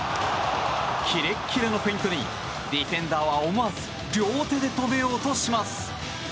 キレッキレのフェイントにディフェンダーは思わず両手で止めようとします。